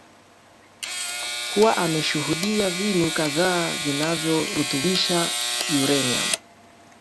kuwa ameshuhudia vinu kadhaa vinavyorutubisha uranium